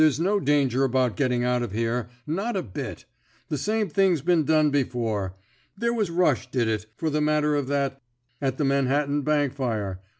There 's no danger about getting out of here — not a bit. The same thing's been done be fore. There was Bush did it — for the matter of that — at the Manhattan bank fire.